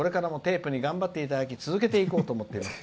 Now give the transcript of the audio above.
これからもテープに頑張っていただき続けていこうと思っています。